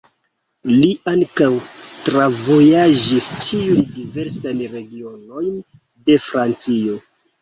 Li ankaŭ travojaĝis ĉiujn diversajn regionojn de Francio.